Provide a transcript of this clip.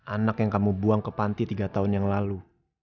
anak yang kamu buang ke panti tiga tahun yang lalu